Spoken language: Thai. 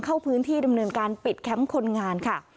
เข้าพื้นที่ดำเนินการปิดแคมป์คนงานค่ะ